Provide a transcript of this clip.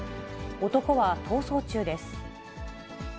男は逃走中です。